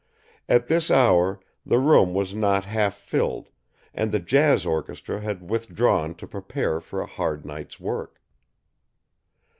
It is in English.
At this hour, the room was not half filled, and the jazz orchestra had withdrawn to prepare for a hard night's work.